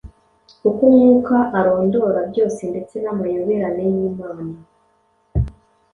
kuko Umwuka arondora byose, ndetse n’amayoberane y’Imana.